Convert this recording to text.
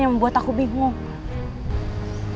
yang membuat aku bingung